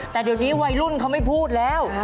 แต่เดี๋ยวนี้วัยรุ่นเขาไม่พูดแล้ว